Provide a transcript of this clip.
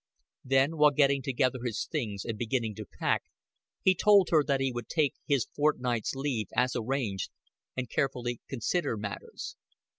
Then, while getting together his things and beginning to pack, he told her that he would take his fortnight's leave, as arranged, and carefully consider matters.